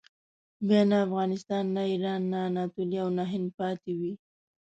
بیا نه افغانستان، نه ایران، نه اناتولیه او نه هند پاتې وي.